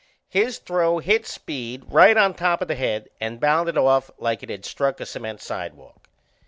His throw hit Speed right on top o' the head and bounded off like it had struck a cement sidewalk.